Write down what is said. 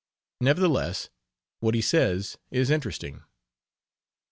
Nevertheless, what he says is interesting.